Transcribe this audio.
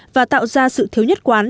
và tạo ra sự thiếu nhất quán